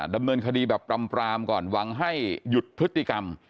ดำเนินคดีแบบปรำก่อนหวังให้หยุดพฤติกรรม